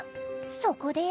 そこで。